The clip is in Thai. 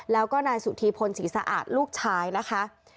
แล้วก็นายสุธีพลศรีสะอาดลูกชายนะคะ